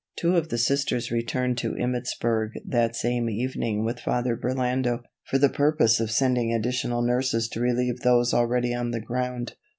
Two of the Sisters returned to Emmittsburg that same evening with Father Burlando, for the purpose of sending additional nurses to relieve those already on the ground.